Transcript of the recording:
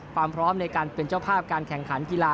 ความพร้อมในการเป็นเจ้าภาพการแข่งขันกีฬา